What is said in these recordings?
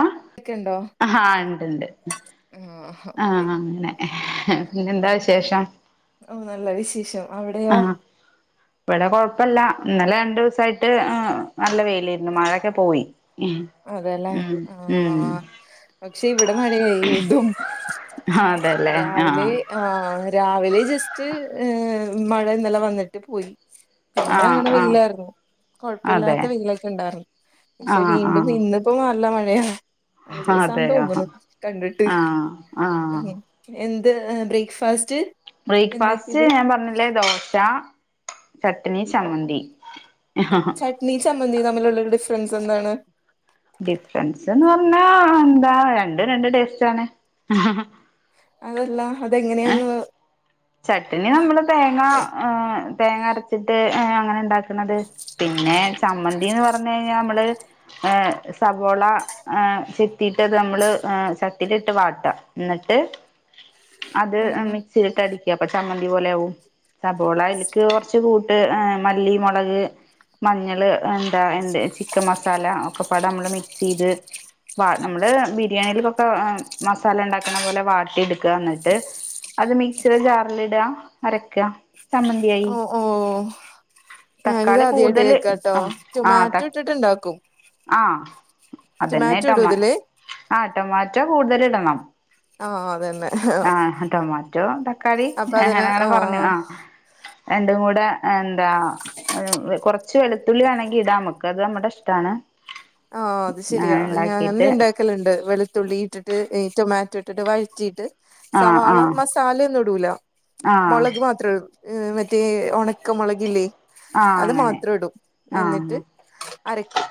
ആഹ്, ഒക്കെ ഉണ്ടോ ആഹ് ഇണ്ട്ണ്ട്. ആഹ്, ആഹ് അങ്ങനെ പിന്നെ എന്താ വിശേഷം? ഉം, നല്ല വിശേഷം. അവിടെയോ ആഹ് വടെ കൊഴപ്പല്ല ഇന്നലെ രണ്ടുസായിട്ട് നല്ല വെയിലിരുന്നു മഴൊക്കെ പോയി ഉം അതെല്ലേ ഉം ഉം ആഹ് പക്ഷെ ഇവിടെ മഴയായി വീണ്ടും അതെല്ലേ രാവിലെ ആഹ് ആഹ് രാവിലെ ജസ്റ്റ് മഴ ഇന്നല്ലേം വന്നിട്ട് പോയി പിന്നെ ആഹ് അങ്ങട് ആഹ് വെയിലായിരുന്നു അതെ കൊഴപ്പമില്ലാത്ത വെയിലൊക്കെ ഉണ്ടായിരുന്നു പക്ഷെ വീ ആഹ് ആഹ് ഇന്നിപ്പോ നല്ല മഴയാ മഴദിവസാന് അതെയോ തോന്നുണു കണ്ടിട്ട് ആഹ് ആഹ് എന്ത് ബ്രേക്ക്ഫാസ്റ്റ് എന്താക്കിയത് ബ്രേക്ക്ഫാസ്റ്റ് ഞാൻ പറഞ്ഞില്ലേ ദോശ ചട്ട്നി ചമ്മന്തി ട്ട്നി ചമ്മന്തിയും തമ്മിലുള്ളൊരു ഡിഫറൻസ് എന്താണ് ഡിഫറൻസ്ന്ന് പറഞ്ഞാ എന്താ രണ്ടും രണ്ട് ടേസ്റ്റാണ് അതല്ല അതെങ്ങനെയാന്ന് ചട്ടനി നമ്മള് തേങ്ങ ങാ തേങ്ങ അരച്ചിട്ട് അങ്ങനെ ഉണ്ടാക്കണത് പിന്നെ ചമ്മന്തിന്ന് പറഞ്ഞയിഞ്ഞാ അമ്മള് ഏ സവോള ചെത്തിയിട്ട് നമ്മള് ചട്ടിലിട്ട് വാട്ട എന്നിട്ട് അത് ആഹ് മിക്സിയിലിട്ട് അടി അപ്പൊ ചമ്മന്തി പോലെ ആകും സവോള അതില്ക്ക് കൊറച്ച് കൂട്ട് മല്ലി മുളക് മഞ്ഞള് എന്താ എന്ത ചിക്കൻ മസാല ഒക്കെ പാട നമ്മള് മിക്സ് ചെയ്ത് വ നമ്മള് ബിരിയാണിൽക്കൊക്കെ മസാല ഉണ്ടാക്കണ പോലെ വാട്ടി എടുക്ക എന്നിട്ട് അത് മിസ് സീടെ ജാർലിഡാ അരയ്ക്ക ഓ ഓ ഞാനിത് തക്കാളി ആദ്യായിട്ട് കൂടുതല് കേക്കാട്ടോ ആ ആ ടൊമാറ്റോ തക് ഇട്ടിട്ട് ഇണ്ടാക്കും ആ അതന്നെ ടൊമാറ്റോ ഇടുവോ ടൊമാ ഇതില് ആ ടൊമാറ്റോ കൂടുതൽ ഇടണം ആഹ് അതെന്നെ ആഹ് ടൊമാറ്റോ തക്കാളി അപ്പൊ അതിന് അങ്ങനങ്ങനെ പറഞ്ഞു ആഹ് ആ രണ്ടും കൂടെ എന്താ കൊറ ച്ച് വെളുത്തുള്ളി വേണെങ്കി ഇടാമക്കത് നമ്മടെ ഇഷ്ടാണ് ആഹ് അത് ശരിയാ അങ്ങനെ ഞാൻ അന്ന് ഇണ്ടാക്കിട്ട് ഇണ്ടാക് ക്കലുണ്ട് വെളുത്തുള്ളി ഇട്ടിട്ട് ഈ ടൊമാറ്റോ ഇട്ടിട്ട് വഴറ്റിയിട്ട് ആഹ് സവാള ആഹ് മസാല ഒന്നും ഇടൂല ആഹ് മുളക് മാത്രേ ഉള്ളൂ മറ്റേ ഉണക്കമുളകില്ലേ ആഹ് അത് അങ്ങനെ മാത്രം ഇടും ആഹ് എന്നിട്ട് അരക്കും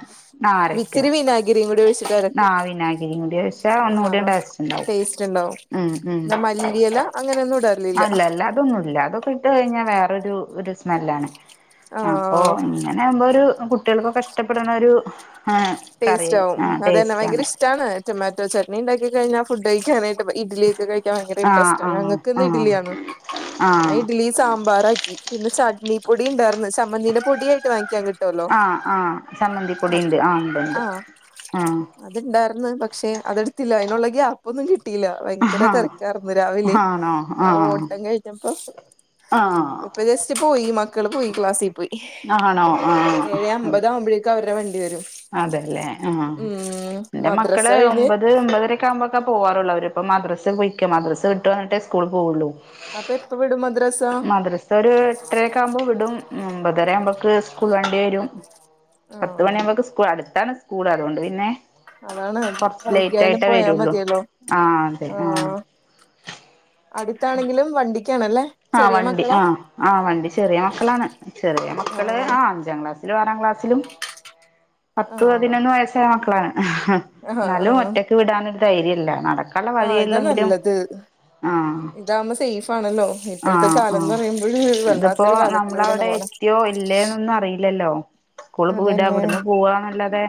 ആഹ് അരക്ക വിത്തിരി വിനാ ഗിരികുടൊഴി ട്ടരക്കും ആഹ് വിനാഗിരിയും കൂടി ഒഴിച്ചാ ഒന്നുകൂടി ടേസ്റ്റ് ഇണ്ടാവും ടേസ്റ്റുണ്ടാവും ഉം ഉം പിന്ന മല്ലിയല അങ്ങനൊന്നു അല്ല അല്ല അതൊന്നുമല്ല അതൊക്കെ ഇട്ട് കഴിഞ്ഞാൽ വേറൊരു ഒരു സ് നല്ലതാണ് അപ്പൊ ആഹ് ഇങ്ങനെ ആകുമ്പോ ഒരു കുട്ടികൾക്കൊക്കെ ഇഷ്ടപ്പെടണ ഒരു ആഹ് കറി ടേസ്റ്റ് ആവും ആഹ് അതന്നെ ടേസ്റ്റ് ഭയങ്കര ആണ് ഇഷ്ടാണ് റ്റോമാറ്റൊ ചട്ടനി ഉണ്ടാക്കി കഴിഞാൽ ഫുഡ് കഴിക്കാനായിട്ട് ഇട്ലി ഒക്കെ കഴി ഭയങ്കര ആഹ് ഇൻട്രസ്റ്റ് ഞങ്ങക്ക് ഇന്ന് ആഹ് ഇഡ്ലിയാണ് ആഹ് ഞാൻ ആഹ് ഇഡലി സാമ്പാറാക്കി പിന്നെ ചട്നി പൊടി ഉണ്ടായിർന്ന് ചമ്മന്തീന്റെ പൊടിയായിട്ട് വാങ്ങിക്കാൻ കിട്ടുവല്ലോ ആഹ് ആഹ് ചമ്മന്തിപ്പൊടി അ ഉണ്ട് ആഹ് ഉണ്ട് ആഹ് ഉണ്ട് അത്ണ്ടാർന്ന് പക്ഷെ അതെടുത്തില്ല അതിനുള്ള ഗ്യാപ്പൊന്നും കിട്ടിയില്ല ആഹ് ഭയങ്കര ആഹാ തിരക്കായിർരുന്നു രാവിലെ ആണോ ആ ഓട്ടം കഴിഞ്ഞപ്പോ ആ ഇപ്പൊ ജസ്റ്റ് പോയി മക്കള് പോയി ക്ലാസ്സിൽ പോയി ആണോ ഏഴ് ആഹ് അമ്പത ആകുമ്പോഴേക്ക അവരുടെ വണ്ടി വരും അതെല്ലേ ആ ഉം എന്റെ മദ്രസ മക്കള് കഴിഞ്ഞ് ഒമ്പത് ഒൻതരക്ക ആകുമ്പോൊക്കെ പോാറുള്ള അവരിപ്പോ മദ്രസ് പോയ്ക്ക മദ്രസ് വിട്ടു വ ന്നിട്ടേ സ്കൂൾ പോവുള്ളു അപ്പൊ എപ്പ വിടും മദ്രാസ സ ഒരു എട്ടരക്കെ ആകുമ്പോ വിടും ഒമ്പതര ആവുമ്പോക്ക് സ്കൂൾ വേണ്ടി വരും പത്ത് ആഹ് മണിയാകുമ്പോക്കെ സ് അടുത്താണ് സ്കൂൾ അതുകൊണ്ട് പിന്നെ അതാണ് കുറച്ച് ലേറ്റ് വൈകിയാലും ആയിട്ടേ പോയാ വരുള്ളു മതിയല്ലോ ആഹ അതെ ആഹ ആഹ് അടുത്താണെങ്കിലും വണ്ടിക്കാണല്ലേ ആ ചെറിയ വണ്ടി മക്കളാ ആ ആ വണ്ടി ചെറിയ മക്കളാണ് ചെറിയ മക്കള് ആഹ് ആ അഞ്ചാം ക്ലാസ്സിലും ആറാം ക്ലാസ്സിലും പത്ത് ആഹ് പതിനൊന്ന് വയസ്സായ മക്കളാണ് ആഹ് എന്നാലും ആഹ് ഒറ്റക്ക് വിടാനൊരു ധൈര്യംല്ല നടക്കാൻള്ള ആഹ് വഴിയെള്ളെങ്കിലും ആഹ ഇതാകുമ്പോ സേഫ് ആണല്ലോ ഇപ്പോഴത്തെ ആഹ ആഹ കാലംന്ന് പറയുമ്പോഴ് ഇതിപ്പോ വല്ലാത്തൊരു കാലത്തിലൂടെയാണ് നമ്മളവിടെ പോണെ എത്തിയോ ഇല്ലേ ന്നൊന്നും അറിയില്ലല്ലോ സ്കൂള പോവൂല അതന്നെ ഇവിടുന്ന് പോവാന്നല്ലാതെ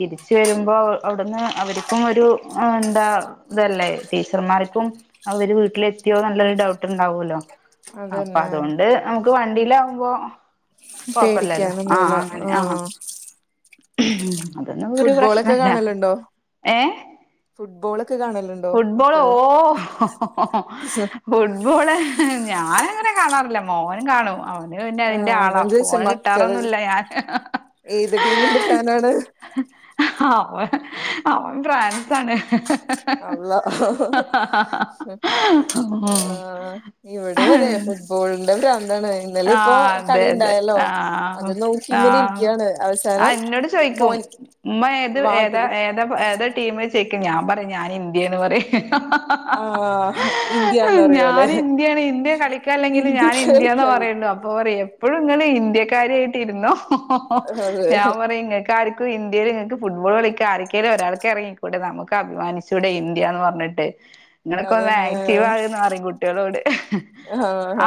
തിരിച്ച് വരുമ്പോ അവിടുന്ന് അവർക്കും ഒരു ആ എന്താ ഇതല്ലേ ടീച്ചർമാർക്കും അവര് വീട്ടിലെത്തിയോ ന്ന് ള്ളൊരു ഡൗട്ട് ണ്ടാവല്ലോ അപ്പൊ അതന്നെ അതുകൊണ്ട് നമുക്ക് വണ്ടിയിലാവുമ്പോ കൊഴപ്പല്ലല്ലോ ആഹ് പേടിക്കാനൊന്നുല്ല അങ്ങനെ ആഹ ആഹ് അതൊന്നും ഒരു ഫുട്ബോളൊക്കെ പ്രശ്നല്ല കാണലുണ്ടോ ഏ ഫുട്ബോളൊക്കെ കാണലുണ്ടോ ഫുട്ബോൾ മക്കള് ഓ ഫുട്ബോള് ഞാന അങ്ങനെ കാണാറില്ല മോന കാണും അവന് പിന്നെ ആഹ് അതിൻ്റെ ആളാ അതാ ചോദിച്ചേ ഫോണ് മക്കള് കിട്ടാറൊന്നുമല്ല ഞാാന് ഏത് ടീമിന്റെ ഫാനാണ് ആ അവ അവൻ ഫ്രാൻസാണ് അള്ളാ അ ആഹ ഇവിടെയും അതെ ഉം ഫുട്ബോളിന്റെ ഭ്രാന്താണ് അ ഇന്നല ഇപ്പോൊ ആഹ് അതെ കളി അതെ ണ്ടായല്ലോ ആഹ് അത് നോക്കി ഇങ്ങനെ ആഹ് ഇരിക്കുകാണ് അവസാനം ആഹ് എന്നോട് ചോയ്ക്കും മോൻ ഉമ്മ ഏത് ഏതാ വാതില് ഏതാ ഏതാ ടീമ്ചോയ്ക്കും ഞാൻ പറയും ഞാൻ ഇന്ത്യയന്ന് പറയും ആഹ് ഇന്ത്യാന്ന് പറയോലെ ഞൻ ഇന്ത്യാണ് ഇന്ത്യ കളിക്കാല്ലെങ്കിലും ഞാൻ ഇന്ത്യക്ക് ഇന്ത്യന്ന കളിക്കാന് പറയ അപ്പൊ പറ യുംഎപ്പോഴും ഇങ്ങെള് ഇന്ത്യക്കാരിയായിട്ട് ഇരുന്നോ അതെ ഞാൻ പറയും ക്കാർക്കുംന്ത്യയിൽ നിങ്ങൾക്ക് ഫുട്ബോൾ കളിക്ക ആരക്കെലും ഒരാൾക്കെ റങ്ങിക്കൂടെ നമുക്ക് അഭിമാനിച്ചൂടെ ഇന്ത്യന്ന് പറഞ്ഞിട്ട് ങ്ങളൊക്കെ ഒ ന്ന് അതന്നെ ആക്ടീവാവ് ന്ന്പറയും കുട്ടികളോട്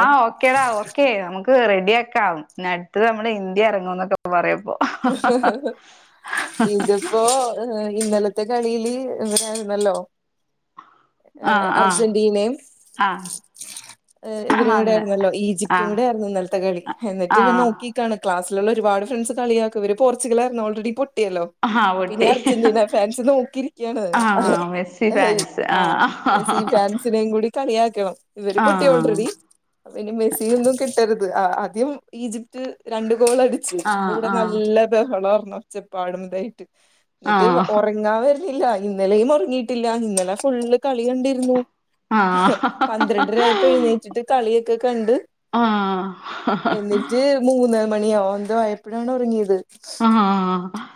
ആ് ഓക്കേടാ നമുക്ക് റെഡി ആക്കാംന്നടുത്ത് നമ്മുടെ ഇന്ത്യ ഇറങ്ങൊക്കെ പറ പറയുമ്പോ ഏ ഇന്നലത്തെ കളിയില് ഇവരായിരുന്നല്ലോ ഏ ആഹ് ആഹ് അർജന്റീനയും ആഹ് ഇവരും കൂടെ അന്ന് ആരുന്നല്ലോ ഈജിപ്റ്റും ആഹ് കൂടെ ആയിരുന്നു ഇന്നലത്തെ കളി എന്നിട്ട് ഇ വൽ ആഹ് നോക്കി ക്ലാസിലുള്ള ഒരുപാട് ഫ്രണ്ട്സ് കളിയാക്ക ഇവര് പോർച്ചുഗലായിരുന്നു ഓൾറെഡി പൊട്ടിയല്ലോ ആഹ് അപ്പൊ ഇനി പൊട്ടി അർജന്റീന ഫാൻസ് നോക്കിയിരിക്കാണ് ആഹ് മെസ്സി ഫാൻസ് ആ ആഹ് മെസിഫാൻ ആഹ് സിനെകൂടി കളിയാക്കണം ഇവര് പൊട്ടി ഓൾറെഡി അ പ്പംഇനി മെസിയൊന്നും കിട്ടരുത് ആദ്യം ഈജിപ്റ്റ് രണ്ട് ഗോൾ അടിച്ചു അപ്പ ആഹ് ഇവിടെ ആഹ് ബഹളം ഒച്ചപ്പാടതായിട്ട് എന്നിട്ട് ആഹ് ഉറങ്ങ ഇല്ല ഇന്നലെയും ഒറങ്ങിയിട്ടില്ല ഇന്നലെ ഫുള്ള് കളി കണ്ടിരുന്നു ആഹ് പന്ത്രണ്ടെരായിപ്പോ എഴുന്നേറ്റിട്ട് കളിയൊക്കെ കണ്ട് ആ ആഹ് ജ് മൂന്നര മണിയോ എന്തേ ആയപ്പഴാണ് ഒറങ്ങിയത് ആ ആഹ് ആഹ്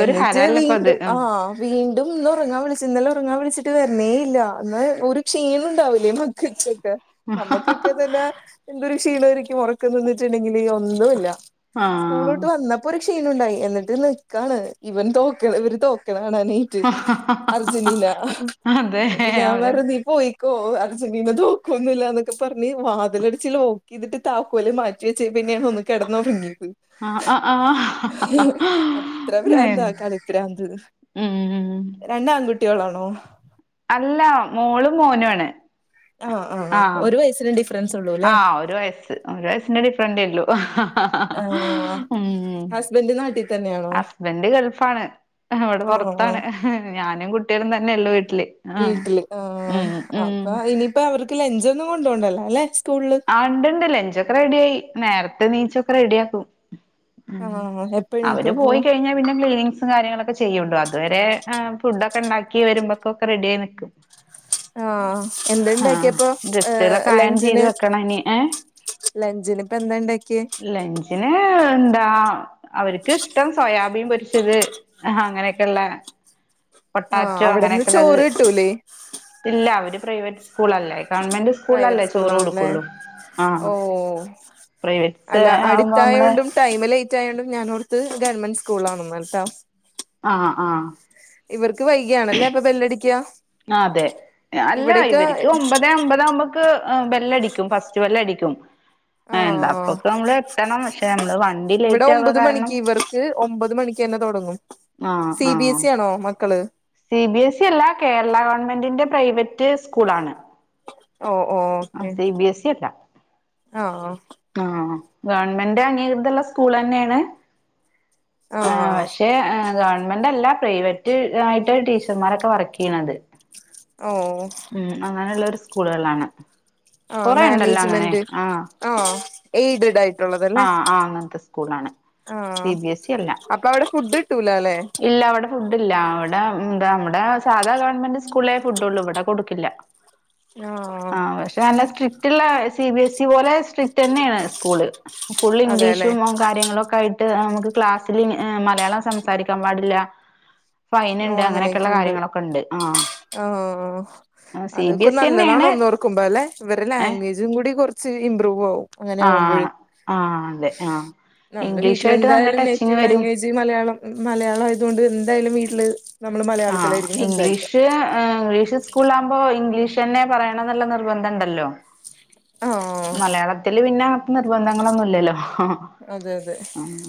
എന്നിട്ട് വീണ്ടും ആഹ് വീണ്ടും ഇന്ന് ഉറങ്ങാൻ വിളിച്ച് ഇന്നലെ ഉറങ്ങാൻ വിളിച്ചിട്ട് വരണേ ഇല്ല എന്നാ ഒരു ക്ഷീണണ്ടാവില്ലേ മക്കക്കൊക്കെ നമ്മുക്കൊക്കെത്തന്നെ എന്തൊരു ക്ഷീണെരിക്കും ഉറക്കം നിന്നിട്ടെണ്ടെങ്കില് ഒന്നുല്ല സ്കൂള് ആഹ് വിട്ട് വന്നപ്പോ ഒരു ക്ഷീണ ഉണ്ടായി എന്നിട്ട് പിന്നെ ക്കാണ് ഇവൻ തോക്കണെ ഇവര് തോക്കണെ കാണാനെ അർജന്റീന അതെ അപ്പൊ ഞാൻ അവരെ പറഞ്ഞ് നീ പോയി ക്കോ അർജന്റീന തോക്കൊന്നില്ലന്നൊക്കെ പറഞ്ഞ് വാതിലടച്ച് ലോക്കക്കെ ഇതിട്ട് താക്കോല് മാറ്റി വെച്ചെ പിന്നെയാ തോന്നണ് കിടന്നോറങ്ങിയത് ആഹ് ആഹാ ഇത്ര പ്രാന്താ കളി പ്രാന്ത് ഉം രണ്ടാങ്കുട്ട്യാളാണോ അല്ല മോളും മോനാണ് ആ ആ ഒരു വയസ്സിനു ഡിഫറൻസ് ഉള്ളൂല്ലേ ആ ഒരു വയസ്സ് ഒരു വയസ്സിന്റെ ഡിഫറന്റെയുള്ളൂ ആഹ് ഉം ഹസ്ബൻഡ് നാട്ടിൽ തന്നെയാണോ ഹസ്ബന്റ് ഗൾഫാണ് അവടെ ആഹ് ആഹ് പൊറത്താണ് ഞാനും കുട്ട്യോളും തന്നെയുള്ളൂ വീട്ടില് ആഹ് വീട്ടില് ആഹ് ഉം ഉം അപ്പൊ ഇനിയിപ്പോ അവർക്ക് ലഞ്ചാെന്നും കൊണ്ടോണ്ടല്ലോ അല്ലെ സ്കൂള് ഇണ്ടണ്ട് ലഞ്ചാെക്കെ റെഡി ആയി നേരത്ത നീച്ചൊക്കെ റെഡിയാക്കും ഉം ആഹ് അവര് എപ്പണീക്കപ്പോ പോയി കഴിഞ്ഞാ പിന്നെ ക്ലീനിങ്ങ്സും കാര്യങ്ങളൊക്കെ ചെയ്യുണ്ടോ അതുവരെ ഫുഡൊക്കെ ഉണ്ടാക്കി വരുമ്പൊക്കെ റെഡിയായി നിക്കും [inaudible] ആഹ് ആഹ് എന്താണ്ടാക്കിയപ്പൊ ഏഹ് ഗസ്റ്റുകളൊക്കെ അയൺ ചെയ്ത് ലഞ്ചിന് വെക്കണം ഇനി ഏ ലഞ്ചിനിപ്പെന്താണ്ടാക്കിയെ ലഞ്ചിന് എന്താ അവർക്കിഷ്ടം സോയാബീൻ പൊരിച്ചത് ആ അങ്ങനെക്കെള്ളെ ആഹ് പൊട്ടാറ്റോ അവിടെന്ന് അങ്ങനെയൊക്കെള്ളത് ചോറ് കിട്ടൂലേ ഇല്ല അവര് പ്രൈവറ്റ് സ്കൂളല്ലേ ഗവൺമെന്റ് സ്കൂളിലല്ലേ പ്രൈവറ്റ് ചോറ് സ്കൂളാണല്ലേ കൊടുക്കുള്ളൂ ആഹ് ഓഹ് പ്രൈവറ്റ്സ് ആവുമ്പോ അമ്മളെ ടൈം ലെയ്റ്റായോണ്ട് ഞാനോർത്ത് ഗവൺമെന്റ് സ്കൂളാണെന്ന്ട്ടോ ആഹ് ആഹ് ഇവർക്ക് വൈകിയാണല്ലേ അപ്പോ ബെല്ലടിക്കാ അതെ അല്ല ഇവര്ക്ക് ഒമ്പത് ഒമ്പതേ അമ്പതാകുമ്പക്ക് ബെല്ലടിക്കും ഫസ്റ്റ് ബെല്ലടിക്കും ആ ആഹ് എന്താപ്പക്കെ നമ്മള് എത്തണം പക്ഷെ നമ്മള് വണ്ടി ലേയറ്റാവാ കാരണം ഇത് ഒമ്പത് മണിക്കെന്നെ തൊടങ്ങും ആഹ് ആഹ് ണോ മക്കള് സി ബി എസ് ഇ അല്ല കേരളാഗവൺമെന്റിന്റെ പ്രൈവറ്റ് സ്കൂളാണ് ഓ ഓ ആ okay C B S E അല്ല ആഹ് ആഹ് ആഹ് ഗവൺമെന്റ് അംഗീകൃതള്ള സ്കൂളെന്നെയാണ് ആ ആഹ് പക്ഷേ ഗവൺമെന്റല്ല പ്രൈവറ്റ് ആയിട്ടാ ടീ ച്ചർമ്മാരൊക്കെ വർക്കെയ്യണത് ഓഹ് ഉം അങ്ങനെയുള്ളരു സ്കൂളുകളാണ് ആഹ് കുറെ ഉണ്ടല്ലോ അങ്ങനെ മാനേജ്മെന്റ് ആഹ് ആഹ് എയ്ഡഡ് ആയി ആഹ് ആഹ് അങ്ങന്ത്തെ സ്കൂളാണ് സി ആഹ് ബി എസ് ഇ അല്ലാ അപ്പൊ അവിടെ ഫുഡ് കിട്ടൂല അല്ലെ ഇല്ലവിടെ ഫുഡ്ഡില്ല അവിടെ ന്താ നമ്മടെ സാധാ ഗവൺമെന്റ് സ്കൂളിലെ ഫുഡ്ള്ളൂ ഇവിടെ കൊടുക്കില്ല ആഹ് പക്ഷെ നല്ല സ്ട്രിക്ട്ള്ളെ സി ബിഎസ് ഇ പോലെ സ്ട്രിക്ടെന്നെയാണ് സ്കൂള് ഫുൾ അതെല്ലെ ഇംഗ്ലീഷും മ കാര്യങ്ങളൊക്കായിട്ട് നമുക്ക് ക്ലാസ്സിലിങ്ങ ഏ മലയാളം സംസാരിക്കാൻ പാടില്ല ഓ ഫൈൻണ്ട് അങ്ങനെയൊക്കെള്ളെ അങ്ങനെയൊക്കെയുണ്ട് കാര്യങ്ങളൊക്കെണ്ട് ആഹ് ആഹ് അതൊക്കെ നല്ലതാണ് തന്നെയാണ് ഒന്നോർക്കുമ്പല്ലേ ഇവരെ ഏ ലാംഗ്വേജ് ജും കൂടി കൊർച്ച് ഇമ്പ്രൂവ് ആവും ആ അങ്ങനെയാവുമ്പേഴെ ആ അതെ ആ നമ്മള് ഇംഗ്ലീഷായിട്ട് നല്ല വീട്ടിലെന്തായാലും ടച്ചിങ് നേറ്റീവ് വരും ലാംഗ്വേജ് ദി മലയാളം മലയാളായതോണ്ട് എന്തായാലും വീട്ട്ല് ആഹ് ഇംഗ്ലീഷ് ഏ ഇംഗ്ലീഷ് സ് കൂൾലാമ്പോ ഇംഗ്ലീഷെന്നെ പറയണംന്ന്ള്ളെ നിർബന്ധണ്ടല്ലോ ആഹ് മലയാള ത്തില് പിന്ന അപ് നിർബന്ധങ്ങളൊന്നുല്ലല്ലോ അതെ അതെ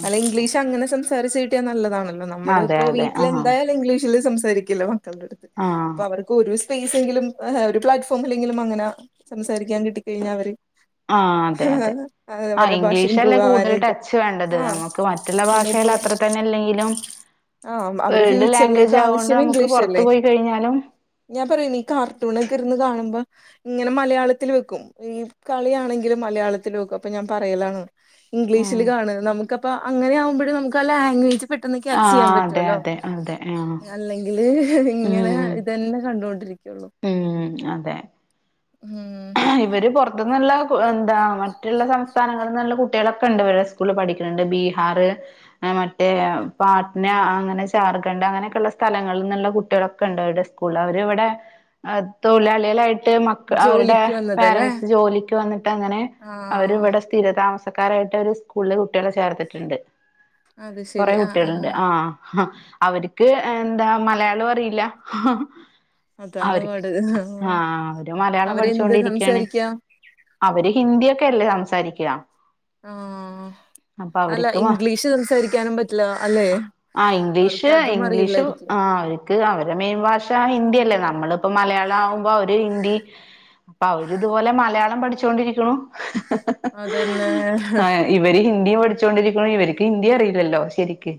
അല്ലെ ഇംഗ്ലീഷ് അങ്ങനെ സംസാരിച്ച് കിട്ടിയാ നല്ലതാണല്ലോ ആ അതെ നമ്മളിപ്പോ അതെ വീട്ടില് ആ എന്തായാലും ഇംഗ്ലീഷല്ലേ സംസാരി ക്കില്ല മക്കൾടടുത്ത് ആഹ് അപ്പൊ അവർക്ക് ഒരൂസ സ്പേസെങ്കിലും ഒരു പ്ലാറ്റ്ഫോമിലെങ്കിലും അങ്ങനെ സംസാരിക്കാൻ കിട്ടിക്കഴിഞ്ഞാവര് ആഹ് അതെ അതെ ആഹ് ഭാഷ ഇംഗ്ലീഷ് അല്ലേ ഇമ്പ്രൂവ് കൂടുതൽ ആവാനായിട്ടും ടച്ച് വേണ്ടത് ആഹ് നമുക്ക് മറ്റുള്ള ഭാഷയിൽ ഇനിയിപ്പോ അത്ര തന്നെ അല്ലെങ്കിലും ആഹ് അവരെ വേൾഡ് ലാംഗ്വേജ ഫ്യൂച്ചറിലേക്ക് അതുകൊണ്ട് ആവശ്യം നമുക്ക് ഇംഗ്ലീഷല്ലേ പൊറത്ത് പോയി കഴിഞ്ഞാലും ഞാൻ പറയൂ നീ കാർട്ടൂണൊക്കെ ഇരുന്ന് കാണുമ്പം ഇങ്ങനെ മലയാളത്തില് വെക്കും ഈ കളിയാണെങ്കിലും മലയാളത്തില് വെക്കും അപ്പൊ ഞാൻ പറയലാണ് ഉം ഇംഗ്ലീഷില് കാണ് നമുക്കപ്പ അങ്ങനെ യാവുമ്പഴ് നമുക്കാ ലാംഗ്വേജ് പെട്ടെന്ന് ക്യാച്ചെയ്യാൻ ആഹ് അതെ പറ്റുവല്ലോ അതെ അതെ ആഹ് അല്ലെങ്കില് ഇങ്ങനെ ഉം ഇതന്നെ കണ്ടോണ്ടിരിക്കുള്ളൂ ഉം അതെ ഉം ആഹ് ഇവര് പുറത്തുന്നുള്ള എന്താ മറ്റുള്ള സംസ്ഥാനങ്ങളിൽന്നുള്ള കുട്ടികളൊക്കെണ്ട് ഇവരെ സ് കൂള് പഠിക്ക്ണ്ണ്ണ്ട് ബീഹാറ് ആഹ് മറ്റേ പാട്ന അങ്ങനെ ജാർഖണ്ഡ് അങ്ങനെയൊക്കെള്ള സ്ഥലങ്ങൾന്ന്ള്ള കുട്യാളൊക്കെണ്ട് അവര്ടെ സ് സ്കൂൾല് അവര് ഇവടെ എ തൊഴിലാളികളായിട്ട് മക് ജോലി പാരൻസ് ജോലിക്ക് വന്നിട്ടങ്ങനെ ആഹ് അവരിവിടെ സ്ഥിരതാമസക്കാരായിട്ട് ഒരു സ്കൂളില് കുട്യളെ ചേർത്തിട്ട്ണ്ട് അത് കൊറെ ശരി ആഹ് കുട്യൾണ്ട് ആഹ് ആഹ് അവർക്ക് എന്താ മലയാളോ അറിയില്ല അതാണ് അവർക്ക് പാട് ആ അവര് മലയാളം അവരെന്ത് പഠിച്ചോണ്ടിരിക്കയാണ് സംസാരിക്കാ അവര് ഹിന്ദിയൊക്കെല്ലേ സംസാരിക്ക നോ അല്ല അവർക്ക് മ ഇംഗ്ലീഷ് സംസാരിക്കാനും പറ്റില്ല അല്ലേ ആഹ് ഇംഗ്ലീഷ് ഇംഗ്ലീഷും ആഹ് ക്ക് അവരെ മെയിൻ ഭാഷ ഹിന്ദിയല്ലേ നമ്മളിപ്പം മലയാളാവുമ്പോ അവര് ഹിന്ദി അപ്പൊ അവരിതുപോലെ മലയാളം പഠിച്ചൊണ്ടിരികുണു അതെന്നെ ഇവര് ഹിന്ദിയും പഠിച്ചോണ്ടിരിക്കുന്നു ഇവർക്ക് ഹിന്ദിയറിയില്ലല്ലോ ശെരിക്ക്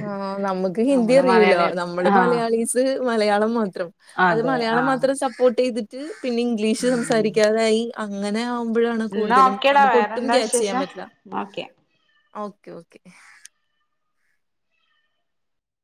ആഹ് നമ്മുക്ക് ഹിന്ദി അറിയൂലോ മലയാളി നമ്മള് ആ മലയാളിസ് മലയാളം മാത്രം അത് അതെ ആ മലയാളം മാത്രം സപ്പോർട്ടെയ്തി റ്റ് പിന്നെ ഇംഗ്ലീഷ് ഉം സംസാരിക്കാതായി അങ്ങനെയാവുമ്പഴാണ് എന്നാ കൂടുതലും ഓക്കേടാ നമുക്ക് ഒട്ടും വേറെന്താ ക്യാച്ചെയ്യാൻ വിശേഷം പറ്റില്ല ഓക്കെ ഓക്കെ ഓക്കെ